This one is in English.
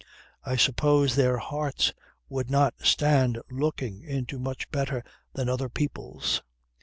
I suppose their hearts would not stand looking into much better than other people's.